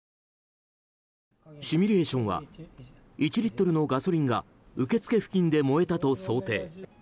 シミュレーションは１リットルのガソリンが受付付近で燃えたと想定。